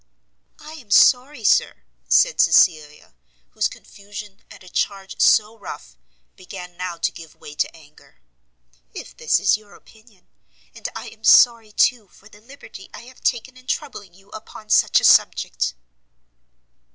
"I am sorry, Sir," said Cecilia, whose confusion, at a charge so rough, began now to give way to anger, "if this is your opinion; and I am sorry, too, for the liberty I have taken in troubling you upon such a subject."